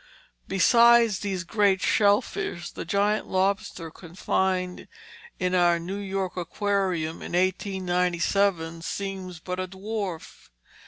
Beside these great shell fish the giant lobster confined in our New York Aquarium in 1897 seems but a dwarf.